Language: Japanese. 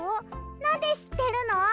なんでしってるの？